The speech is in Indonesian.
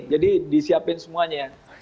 jadi disiapin semuanya